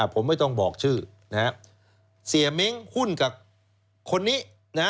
ผมไม่ต้องบอกชื่อเสียเม้งหุ้นกับคนนี้